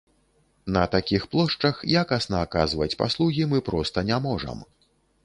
На такіх плошчах якасна аказваць паслугі мы проста не можам.